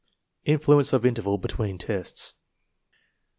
Influence of interval between tests.